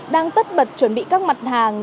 đang tất bật chuẩn bị các mặt hàng